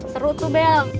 seru tuh bel